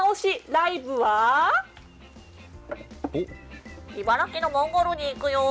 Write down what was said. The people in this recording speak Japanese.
ＬＩＶＥ」は茨城のモンゴルに行くよ。